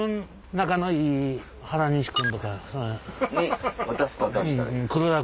仲のいい原西君とかそのへん。